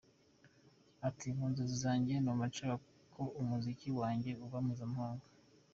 Ati “Mu nzozi zanjye numva nshaka ko umuziki wanjye uba mpuzamahanga.